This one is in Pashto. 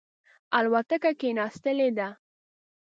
الوتکه کښېنستلې ده.